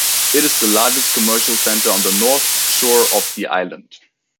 It is the largest commercial center on the North Shore of the island.